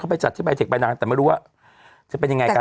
ไปจัดที่ใบเทคใบนางแต่ไม่รู้ว่าจะเป็นยังไงกัน